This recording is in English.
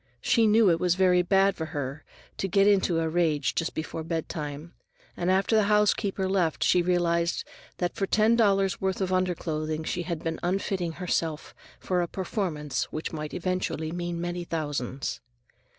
She knew it was very bad for her to get into a rage just before bedtime, and after the housekeeper left she realized that for ten dollars' worth of underclothing she had been unfitting herself for a performance which might eventually mean many thousands.